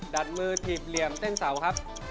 ดัดมือถีบเหลี่ยมเส้นเสาครับ